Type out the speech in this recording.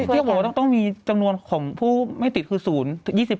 เรียกว่าต้องมีจำนวนของผู้ไม่ติดคือศูนย์